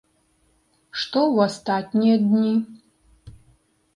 Што ў астатнія дні?